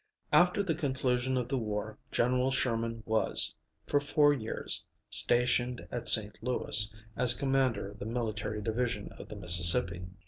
After the conclusion of the war General Sherman was, for four years, stationed at St. Louis, as Commander of the Military Division of the Mississippi.